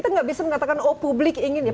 tapi kita bisa mengatakan oh publik ingin ya